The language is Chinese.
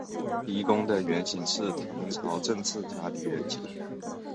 狄公的原型是唐朝政治家狄仁杰。